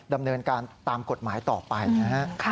ดำเนินการตามกฎหมายต่อไปนะฮะ